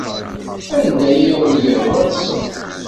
Anda i awen-yehwa ṭṭset.